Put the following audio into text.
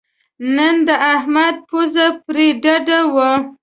نن د احمد پوزه پرې ډډه وه.